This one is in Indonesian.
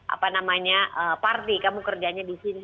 apa namanya party kamu kerjanya di sini